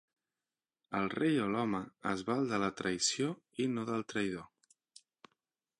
El rei o l'home es val de la traïció i no del traïdor.